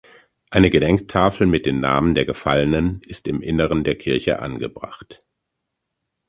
Eine Gedenktafel mit den Namen der Gefallenen ist im Inneren der Kirche angebracht.